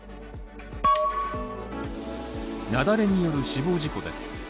雪崩による死亡事故です。